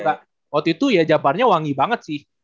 waktu itu ya jabarnya wangi banget sih